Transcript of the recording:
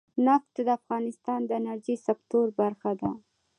نفت د افغانستان د انرژۍ سکتور برخه ده.